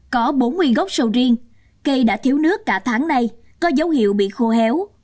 có bốn nguyên gốc sầu riêng cây đã thiếu nước cả tháng này có dấu hiệu bị khô héo